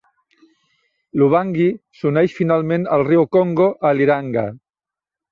L'Ubangi s'uneix finalment al riu Congo a Liranga.